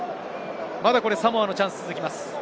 サモアのチャンスが続きます。